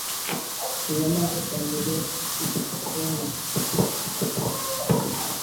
Mnyama kushambulia kusiko na sababu